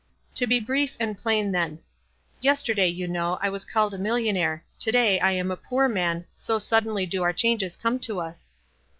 To be brief and plain then. Yesterday, you know, 1 was called a millionaire — to day I am a poor man, so suddenly do our changes come to us.